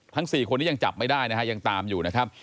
๔คนนี้ยังจับไม่ได้นะฮะยังตามอยู่นะครับ